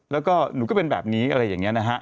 แล้วก็หนูก็เป็นแบบนี้อะไรอย่างนี้นะฮะ